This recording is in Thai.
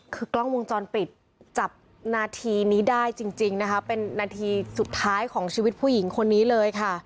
คือกล้องวงจรปิดจับนาทีนี้ได้จริงนะคะเป็นนาทีสุดท้ายของชีวิตผู้หญิงคนนี้เลยค่ะ